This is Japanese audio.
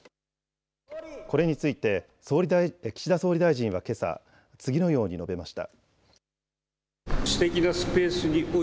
これについて岸田総理大臣はけさ次のように述べました。